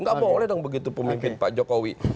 nggak boleh dong begitu pemimpin pak jokowi